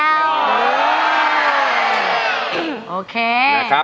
เพลงเก่งของคุณครับ